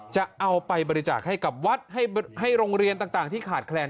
จะเอาไปบริจาคให้กับวัดให้โรงเรียนต่างที่ขาดแคลน